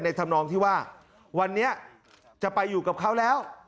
ทำนองที่ว่าวันนี้จะไปอยู่กับเขาแล้ว